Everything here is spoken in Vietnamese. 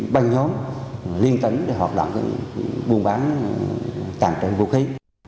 băng nhóm liên tấn để hoạt động buôn bán tạng trợ vũ khí